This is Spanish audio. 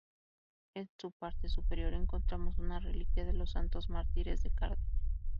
En su parte superior encontramos una reliquia de los Santos Mártires de Cardeña.